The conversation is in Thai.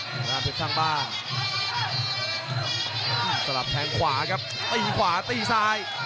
เผ็ดสร้างบ้านสำหรับแขนขวาครับตีขวาตีซ้าย